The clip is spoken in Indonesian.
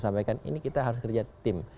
sampaikan ini kita harus kerja tim